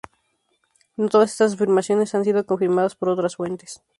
No todas estas afirmaciones han sido confirmadas por otras fuentes.